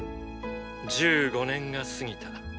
１５年が過ぎた。